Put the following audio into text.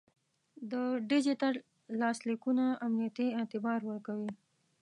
د ډیجیټل لاسلیکونه امنیتي اعتبار ورکوي.